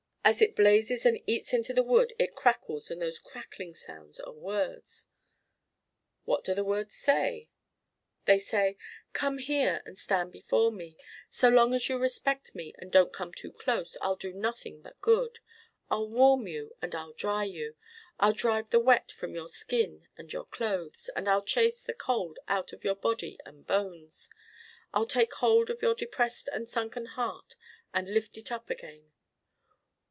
"As it blazes and eats into the wood it crackles and those crackling sounds are words." "What do the words say?" "They say, 'Come here and stand before me. So long as you respect me and don't come too close I'll do you nothing but good. I'll warm you and I'll dry you. I'll drive the wet from your skin and your clothes, and I'll chase the cold out of your body and bones. I'll take hold of your depressed and sunken heart and lift it up again.